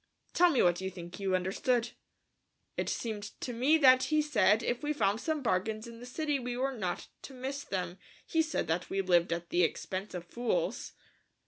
"Tell me what you think you understood." "It seemed to me that he said that if we found some bargains in the city we were not to miss them. He said that we lived at the expense of fools."